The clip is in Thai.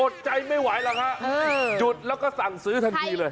อดใจไม่ไหวแล้วค่ะจุดแล้วก็สั่งซื้อทันทีเลย